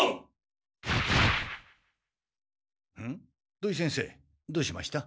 土井先生どうしました？